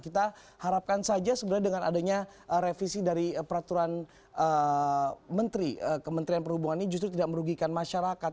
kita harapkan saja sebenarnya dengan adanya revisi dari peraturan menteri kementerian perhubungan ini justru tidak merugikan masyarakat